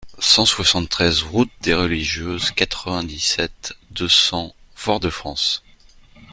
cent soixante-treize route des Religieuses, quatre-vingt-dix-sept, deux cents, Fort-de-France